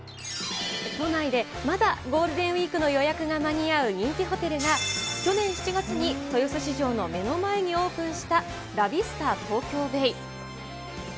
都内でまだゴールデンウィークの予約が間に合う人気ホテルが去年７月に豊洲市場の目の前にオープンした、ラビスタ東京ベイ。